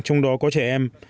trong đó có trẻ em